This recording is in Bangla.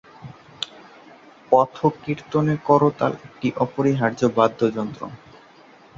পথ-কীর্তনে করতাল একটি অপরিহার্য বাদ্যযন্ত্র।